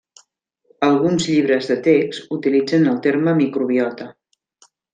Alguns llibres de text utilitzen el terme microbiota.